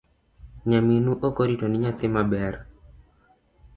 Nyaminu okoritoni nyathi maber.